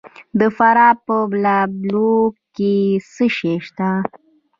د فراه په بالابلوک کې څه شی شته؟